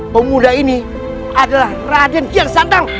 pemuda ini adalah raden kian santang